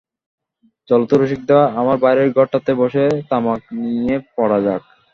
চলো তো রসিকদা, আমার বাইরের ঘরটাতে বসে তামাক নিয়ে পড়া যাক।